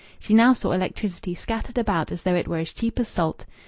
She now saw electricity scattered about as though it were as cheap as salt.